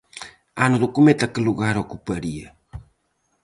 Ano do cometa que lugar ocuparía?